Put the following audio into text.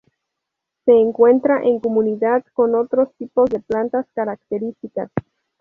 Se encuentra en comunidad con otros tipos de plantas características.